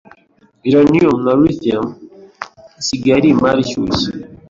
Uranium” na “Lithium” isigaye ari imari ishyushye